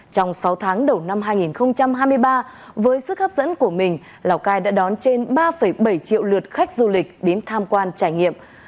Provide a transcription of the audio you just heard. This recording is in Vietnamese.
trong sáu tháng đầu năm hai nghìn hai mươi ba với sức hấp dẫn của mình lào cai đã đón trên ba bảy triệu lượt khách du lịch đến tham quan trải nghiệm